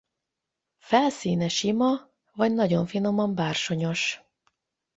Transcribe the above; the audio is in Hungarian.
Felszíne sima vagy nagyon finoman bársonyos.